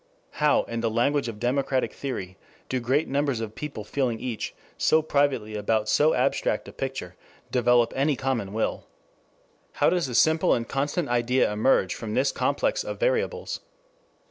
How in the language of democratic theory, do great numbers of people feeling each so privately about so abstract a picture, develop any common will? How does a simple and constant idea emerge from this complex of variables?